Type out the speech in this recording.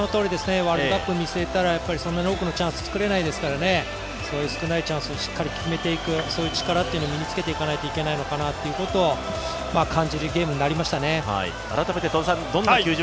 ワールドカップ見据えたらそんなに多くのチャンス作れないですからね、そういう少ないチャンスをしっかり決めていく力を身に付けていかなければいけないのかなというのを感じるゲームになりましたね。